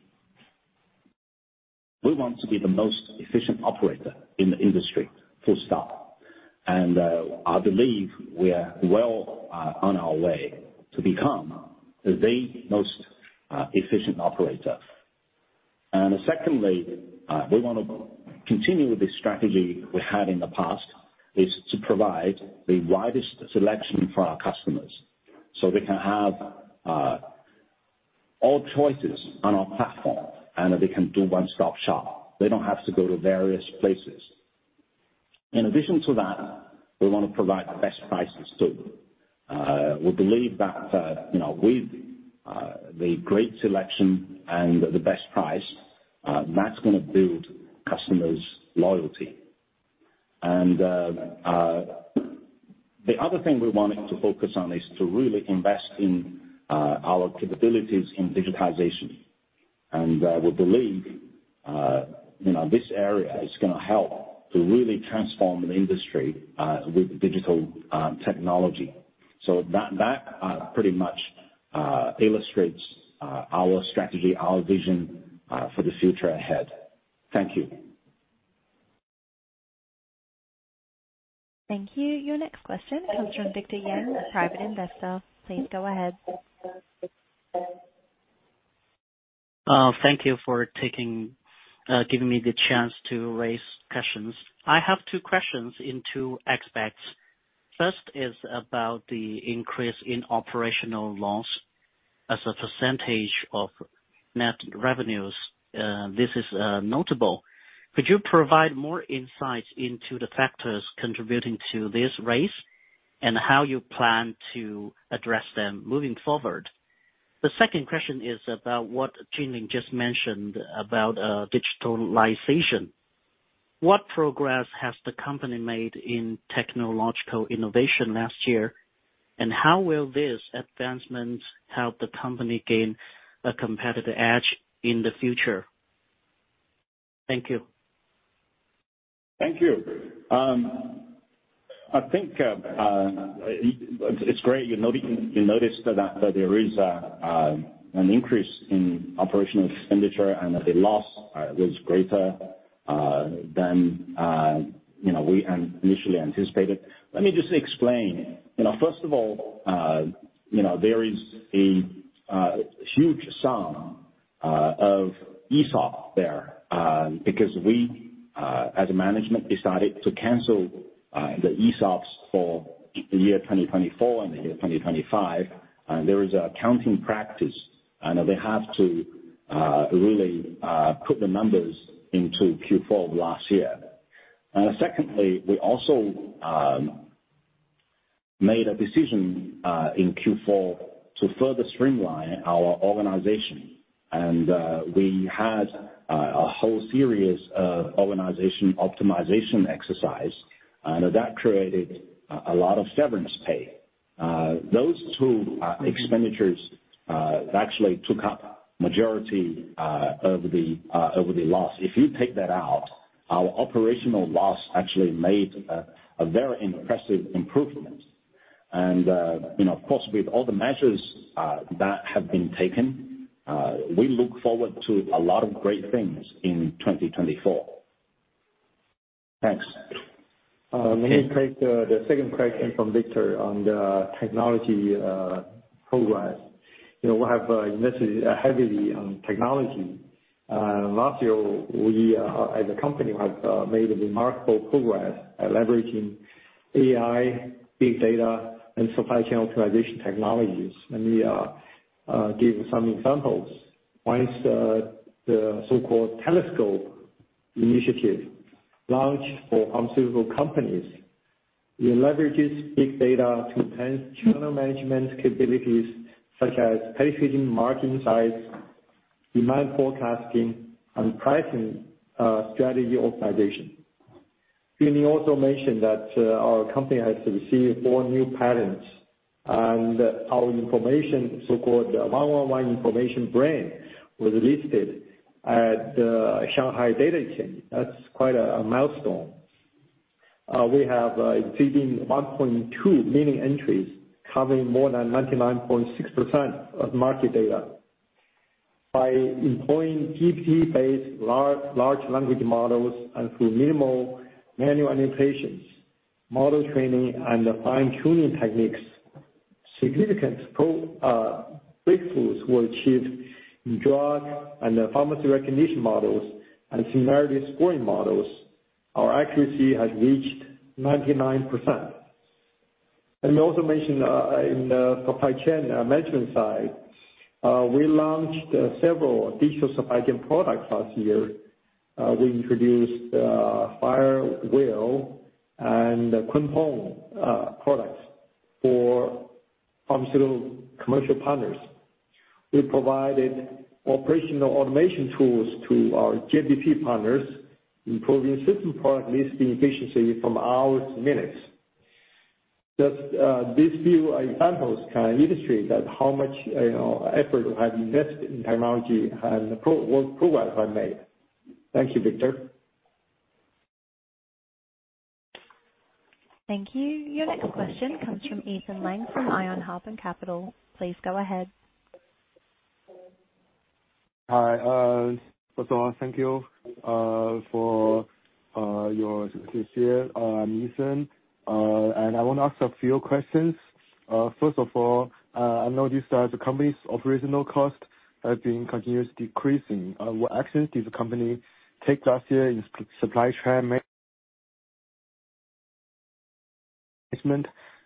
We want to be the most efficient operator in the industry, full stop. And, I believe we are well on our way to become the most efficient operator. And secondly, we wanna continue with this strategy we had in the past, is to provide the widest selection for our customers, so they can have all choices on our platform, and they can do one-stop shop. They don't have to go to various places. In addition to that, we want to provide the best prices, too. We believe that, you know, with the great selection and the best price, that's gonna build customers' loyalty. And, the other thing we wanted to focus on is to really invest in our capabilities in digitization. And, we believe, you know, this area is gonna help to really transform the industry with digital technology. So that pretty much illustrates our strategy, our vision for the future ahead. Thank you. Thank you. Your next question comes from Victor Yang, a private investor. Please go ahead. Thank you for taking, giving me the chance to raise questions. I have two questions in two aspects. First is about the increase in operational loss as a percentage of net revenues. This is notable. Could you provide more insight into the factors contributing to this raise, and how you plan to address them moving forward? The second question is about what Junling just mentioned about digitalization. What progress has the company made in technological innovation last year, and how will this advancement help the company gain a competitive edge in the future? Thank you. Thank you. I think it's great you noticed that there is an increase in operational expenditure, and that the loss was greater than you know we initially anticipated. Let me just explain. You know, first of all, you know, there is a huge sum of ESOP there because we as a management decided to cancel the ESOPs for the year 2024 and the year 2025. There is an accounting practice, and they have to really put the numbers into Q4 of last year. Secondly, we also made a decision in Q4 to further streamline our organization, and we had a whole series of organization optimization exercise, and that created a lot of severance pay. Those two expenditures actually took up majority of the loss. If you take that out, our operational loss actually made a very impressive improvement. And, you know, of course, with all the measures that have been taken, we look forward to a lot of great things in 2024. Thanks. Let me take the second question from Victor on the technology progress. You know, we have invested heavily on technology, and last year, we as a company have made a remarkable progress at leveraging AI, big data, and supply chain optimization technologies. Let me give some examples. One is the so-called Telescope initiative launched for pharmaceutical companies. It leverages big data to enhance channel management capabilities, such as price feeding, margin size, demand forecasting, and pricing strategy optimization. Then he also mentioned that our company has received 4 new patents, and our information, so-called 111 information brand, was listed at the Shanghai Data Exchange. That's quite a milestone. We have exceeding 1.2 million entries, covering more than 99.6% of market data. By employing GPT-based large, large language models and through minimal manual annotations, model training, and fine-tuning techniques, significant breakthroughs were achieved in drug and pharmacy recognition models and similarity scoring models. Our accuracy has reached 99%. Let me also mention in the supply chain management side, we launched several digital supply chain products last year. We introduced Fire Wheel and Kunpeng products for pharmaceutical commercial partners. We provided operational automation tools to our JBP partners, improving certain product listing efficiency from hours to minutes. Just these few examples can illustrate that how much, you know, effort we have invested in technology and progress I made. Thank you, Victor. Thank you. Your next question comes from Ethan Lang, from Iron Park Capital. Please go ahead. Hi, first of all, thank you for your success here. I'm Ethan, and I want to ask a few questions. First of all, I noticed that the company's operational cost has been continuously decreasing. What actions did the company take last year in supply chain management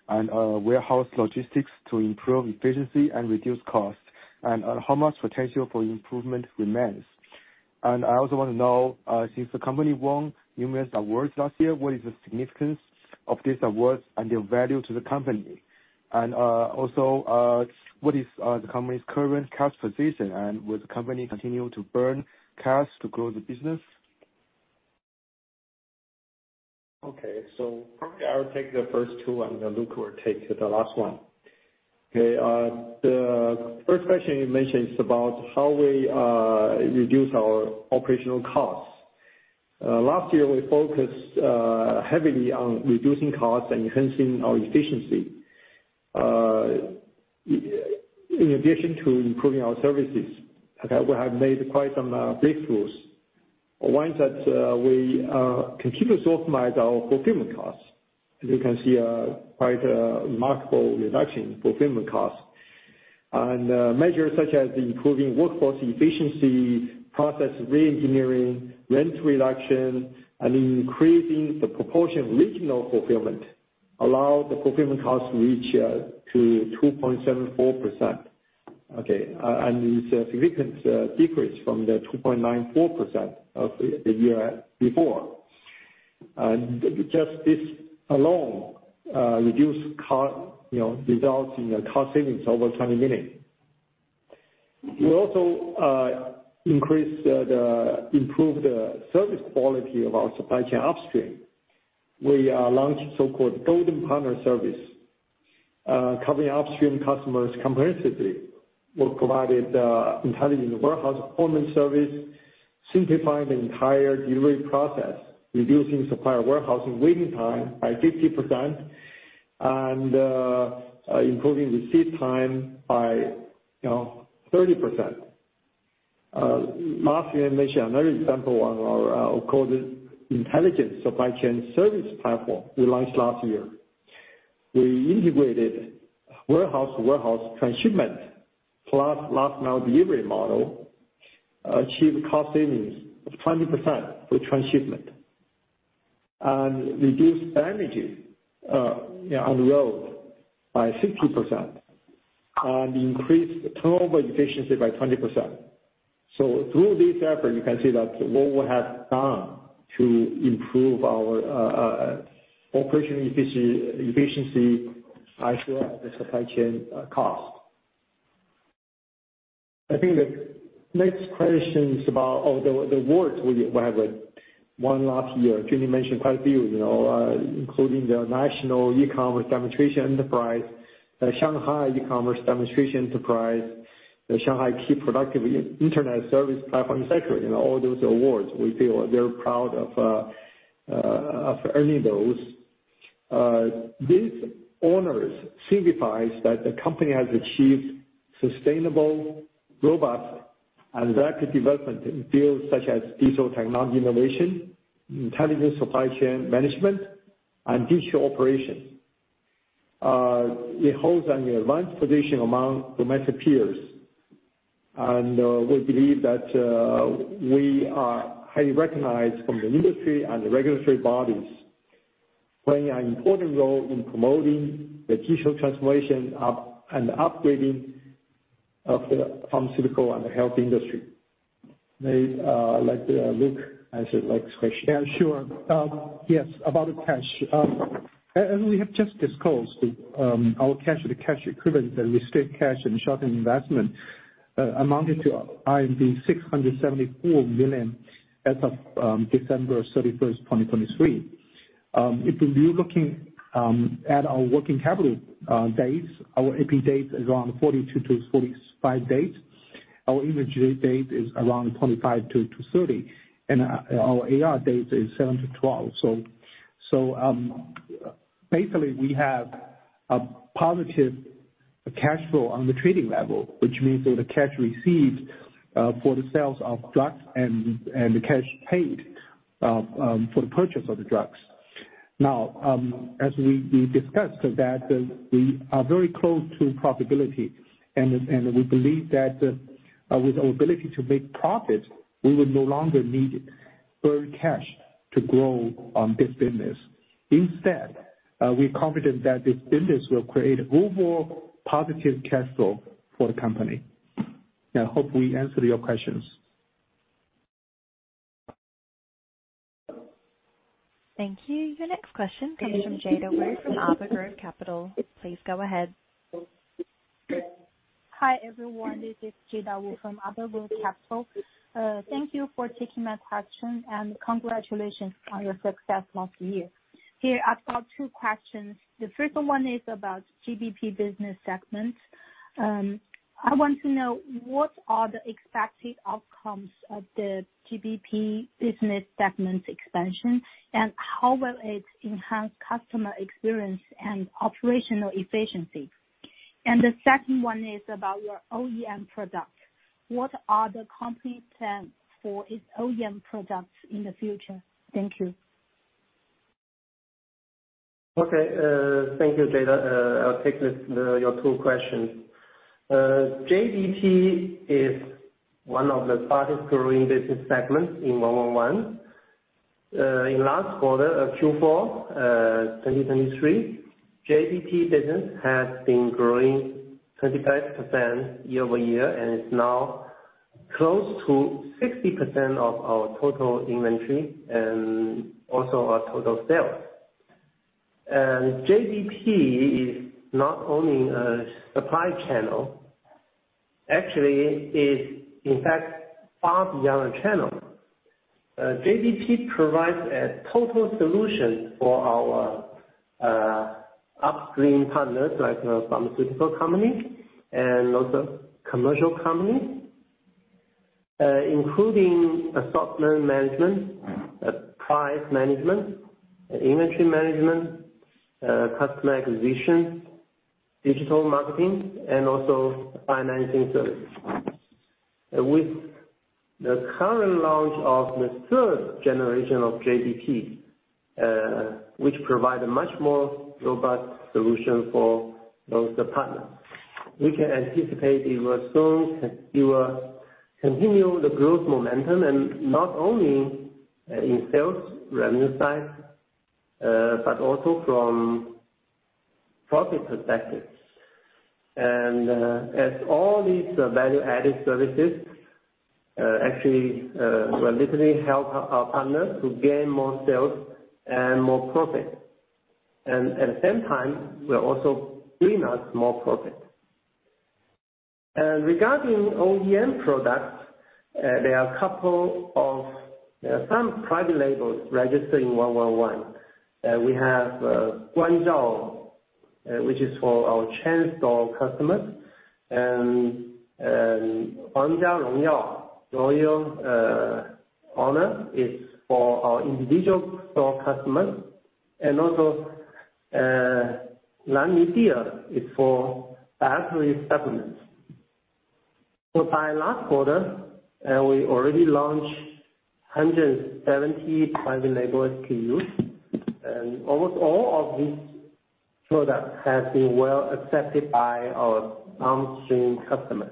and warehouse logistics to improve efficiency and reduce costs? And how much potential for improvement remains? And I also want to know, since the company won numerous awards last year, what is the significance of these awards and their value to the company? And also, what is the company's current cash position, and will the company continue to burn cash to grow the business? Okay. So probably I'll take the first two, and then Luke will take the last one. Okay, the first question you mentioned is about how we reduce our operational costs. Last year, we focused heavily on reducing costs and enhancing our efficiency, in addition to improving our services. Okay, we have made quite some breakthroughs. One, we continuously optimize our fulfillment costs. As you can see, quite a remarkable reduction in fulfillment costs. And measures such as improving workforce efficiency, process reengineering, rent reduction, and increasing the proportion of regional fulfillment allow the fulfillment costs to reach to 2.74%. Okay, and it's a significant decrease from the 2.94% of the year before. Just this alone, reduce cost, you know, results in a cost savings over 20 million. We also improved the service quality of our supply chain upstream. We launched so-called Golden Partner Service. Covering upstream customers comprehensively, we provided intelligent warehouse appointment service, simplifying the entire delivery process, reducing supplier warehousing waiting time by 50%, and improving receipt time by, you know, 30%. Last year, I mentioned another example on our called Intelligence Supply Chain Service Platform, we launched last year. We integrated warehouse-to-warehouse transshipment, plus last mile delivery model, achieved cost savings of 20% for transshipment and reduced energy on the road by 60% and increased the turnover efficiency by 20%. So through this effort, you can see that what we have done to improve our operation efficiency as well as the supply chain cost. I think the next question is about all the awards we have won last year. Jenny mentioned quite a few, you know, including the National E-commerce Demonstration Enterprise, the Shanghai E-commerce Demonstration Enterprise, the Shanghai Key Productive Internet Service Platform, et cetera. You know, all those awards, we feel very proud of earning those. These honors signifies that the company has achieved sustainable, robust and rapid development in fields such as digital technology innovation, intelligent supply chain management, and digital operations. It holds an advanced position among domestic peers, and we believe that we are highly recognized from the industry and the regulatory bodies, playing an important role in promoting the digital transformation up and upgrading of the pharmaceutical and the health industry. May I let Luke, answer the next question. Yeah, sure. Yes, about the cash. As we have just disclosed, our cash, the cash equivalent, the restricted cash and short-term investment amounted to 674 million as of December 31, 2023. If you're looking at our working capital days, our AP days is around 42-45 days. Our inventory days is around 25-30, and our AR days is 7-12. So, basically, we have a positive cash flow on the trading level, which means that the cash received for the sales of drugs and the cash paid for the purchase of the drugs. Now, as we discussed that we are very close to profitability, and we believe that with our ability to make profit, we will no longer need further cash to grow on this business. Instead, we're confident that this business will create overall positive cash flow for the company. I hope we answered your questions. Thank you. Your next question comes from Jada Wu from Arbor Group Capital. Please go ahead. Hi, everyone. This is Jada Wu from Arbor Group Capital. Thank you for taking my question, and congratulations on your success last year. Here, I've got two questions. The first one is about JBP business segment. I want to know what are the expected outcomes of the JBP business segment expansion, and how will it enhance customer experience and operational efficiency? And the second one is about your OEM product. What are the company plans for its OEM products in the future? Thank you. Okay. Thank you, Jada. I'll take this, your two questions. JBP is one of the fastest growing business segments in one one one. In last quarter, Q4, 2023, JJBP business has been growing 25% year-over-year and is now close to 60% of our total inventory and also our total sales. JBPis not only a supply channel, actually, it's in fact, far beyond a channel. JBP provides a total solution for our upstream partners, like the pharmaceutical company and also commercial companies, including assortment management, price management, inventory management, customer acquisition, digital marketing, and also financing services. With the current launch of the third generation of JBP, which provide a much more robust solution for those partners, we can anticipate it will soon, it will continue the growth momentum and not only in sales revenue side, but also from profit perspective. And, as all these value-added services, actually, will literally help our, our partners to gain more sales and more profit. And at the same time, will also bring us more profit. Regarding OEM products, there are a couple of, some private labels registered in 111. We have, Guanzhao, which is for our chain store customers, and, Huangjia Rongyao, Royal Honor, is for our individual store customers, and also, Lanmi is for dietary supplements. So by last quarter, we already launched 170 private label SKUs, and almost all of these products have been well accepted by our downstream customers.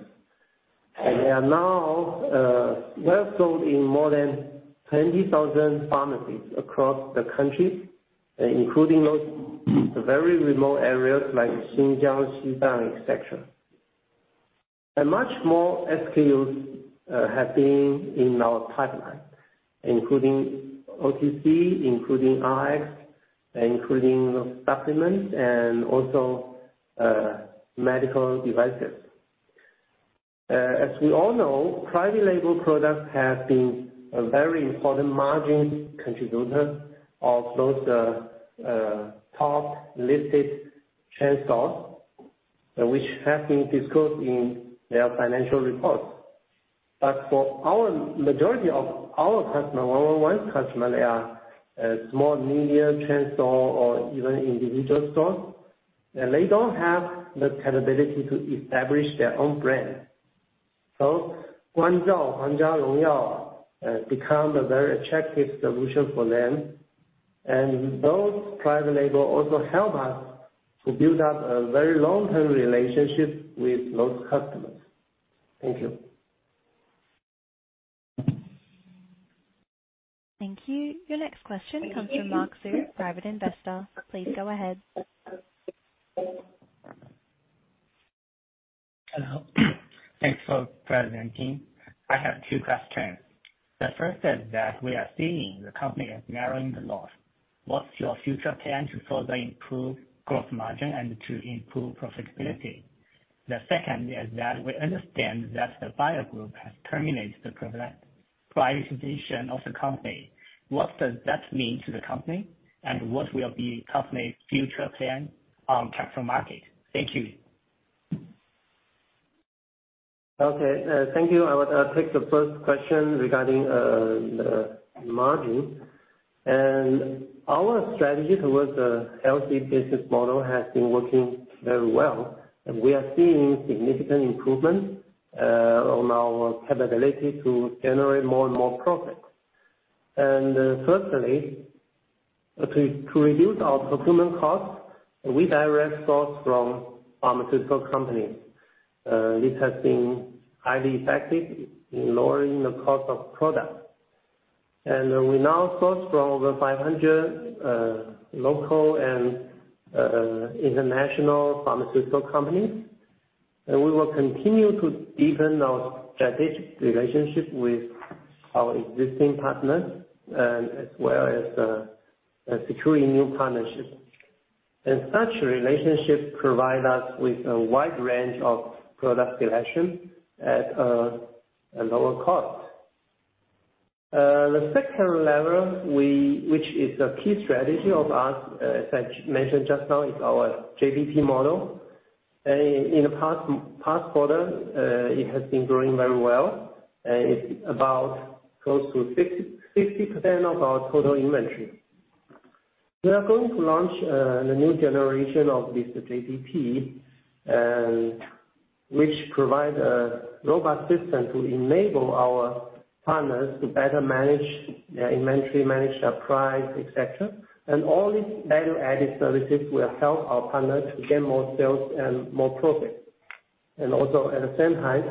They are now well sold in more than 20,000 pharmacies across the country, including those very remote areas like Xinjiang, et cetera. Much more SKUs have been in our pipeline, including OTC, including Eye Care, including supplements and also medical devices. As we all know, private label products have been a very important margin contributor of those top listed chain stores, which have been disclosed in their financial reports. But for our majority of our customers, 111 customers are small, medium chain store or even individual stores, and they don't have the capability to establish their own brand. So Guanzhao Huangjia Rongyao become a very attractive solution for them, and those private label also help us to build up a very long-term relationship with those customers. Thank you. Thank you. Your next question comes from Mark Zhu, private investor. Please go ahead. Hello. Thanks for presenting. I have two questions. The first is that we are seeing the company is narrowing the loss. What's your future plan to further improve gross margin and to improve profitability? The second is that we understand that the buyer group has terminated the privatization of the company. What does that mean to the company, and what will be the company's future plan on capital market? Thank you. Okay, thank you. I would take the first question regarding the margin. And our strategy towards the healthy business model has been working very well, and we are seeing significant improvement on our capability to generate more and more profits. And, firstly, to reduce our procurement costs, we direct source from pharmaceutical companies. This has been highly effective in lowering the cost of products. And we now source from over 500 local and international pharmaceutical companies. And we will continue to deepen our strategic relationship with our existing partners, as well as securing new partnerships. And such relationships provide us with a wide range of product selection at a lower cost. The second level, which is a key strategy of us, as I mentioned just now, is our JBP model. In the past quarter, it has been growing very well, and it's about close to 60% of our total inventory. We are going to launch the new generation of this JBP, and which provide a robust system to enable our partners to better manage their inventory, manage their price, et cetera. And all these value-added services will help our partners to get more sales and more profits. And also, at the same time,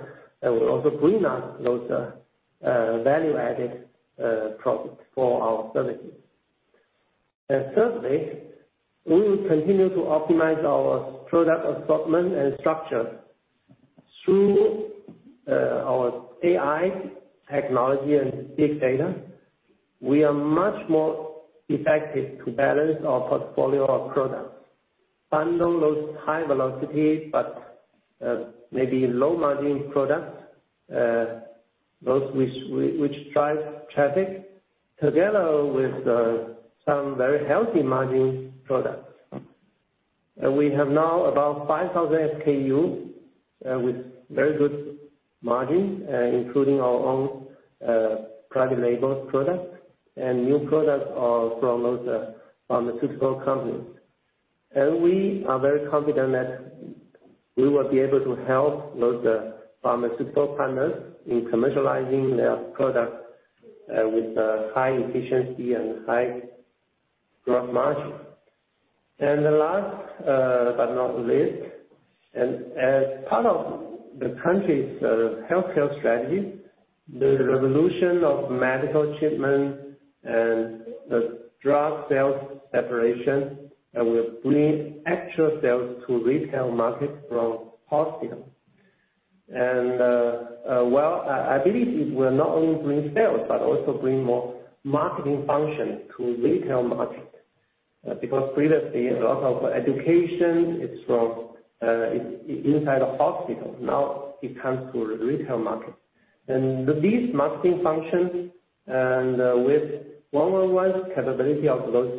we'll also bring up those value-added products for our services. And thirdly, we will continue to optimize our product assortment and structure through our AI technology and big data. We are much more effective to balance our portfolio of products, bundle those high velocity, but maybe low margin products, those which drive traffic, together with some very healthy margin products. We have now about 5,000 SKU with very good margins, including our own private labels products and new products from those pharmaceutical companies. We are very confident that we will be able to help those pharmaceutical partners in commercializing their products with high efficiency and high gross margin. The last, but not least, and as part of the country's healthcare strategy, the revolution of medical treatment and the drug sales separation will bring extra sales to retail market from wholesale. Well, I believe it will not only bring sales, but also bring more marketing function to retail market because previously a lot of education is from inside the hospital, now it comes to retail market. These marketing functions, with 111's capability of those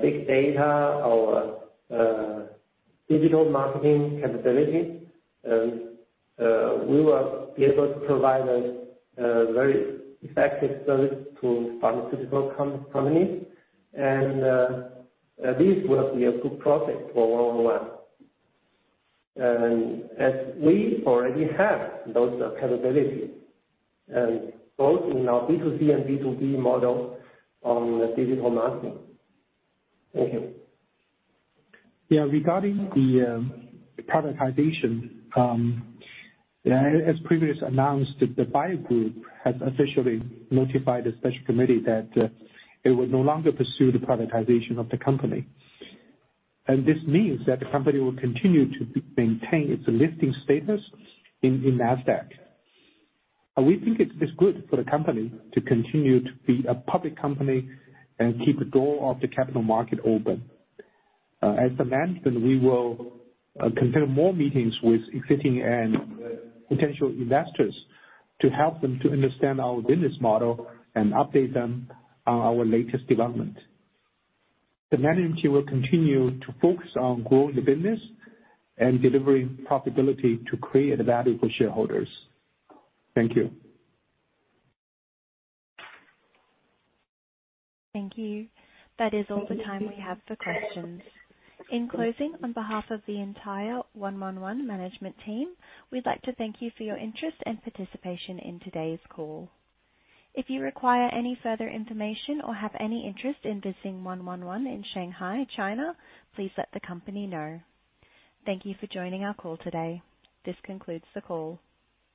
big data or digital marketing capability, we will be able to provide a very effective service to pharmaceutical companies. This will be a good profit for 111. As we already have those capabilities, both in our B2C and B2B models on digital marketing. Thank you. Yeah, regarding the privatization, as previously announced, the buyer group has officially notified the special committee that it will no longer pursue the privatization of the company. This means that the company will continue to maintain its listing status in Nasdaq. We think it's good for the company to continue to be a public company and keep the door of the capital market open. As the management, we will continue more meetings with existing and potential investors to help them to understand our business model and update them on our latest development. The management team will continue to focus on growing the business and delivering profitability to create value for shareholders. Thank you. Thank you. That is all the time we have for questions. In closing, on behalf of the entire 111 management team, we'd like to thank you for your interest and participation in today's call. If you require any further information or have any interest in visiting 111 in Shanghai, China, please let the company know. Thank you for joining our call today. This concludes the call.